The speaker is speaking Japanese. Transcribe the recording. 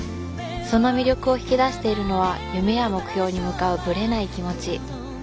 その魅力を引き出しているのは夢や目標に向かうブレない気持ち。